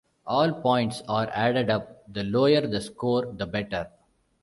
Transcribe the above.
All points are added up; the lower the score the better.